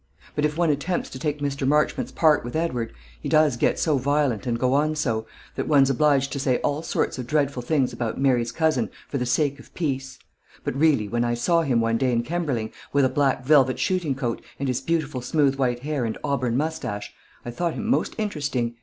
But if one attempts to take Mr. Marchmont's part with Edward, he does get so violent and go on so, that one's obliged to say all sorts of dreadful things about Mary's cousin for the sake of peace. But really, when I saw him one day in Kemberling, with a black velvet shooting coat, and his beautiful smooth white hair and auburn moustache, I thought him most interesting.